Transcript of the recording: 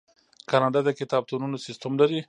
کاناډا د کتابتونونو سیستم لري.